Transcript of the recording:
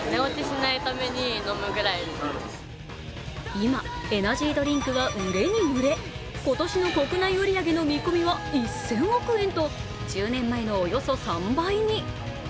今、エナジードリンクは売りに売れ今年の国内売り上げの見込みは１０００億円と１０年前のおよそ３倍に。